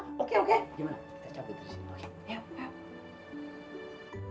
gimana kita cabut disini